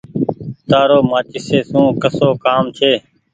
تآرو مآچيسي سون ڪسو ڪآم ڇي۔